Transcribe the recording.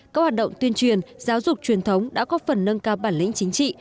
các hoạt động tuyên truyền giáo dục truyền thống đã có phần nâng cao bản lĩnh chính trị